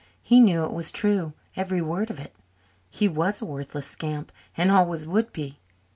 He knew it was true, every word of it. He was a worthless scamp and always would be.